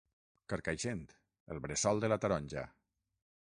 Carcaixent, el bressol de la taronja.